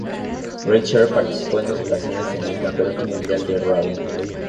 Richter participó en dos ocasiones en el Campeonato Mundial de Rally.